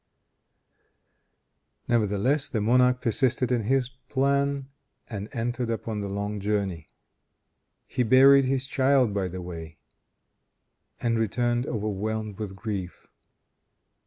Nevertheless the monarch persisted in his plan, and entered upon the long journey. He buried his child by the way, and returned overwhelmed with grief.